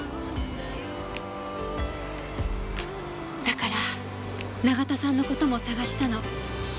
だから永田さんの事も捜したの。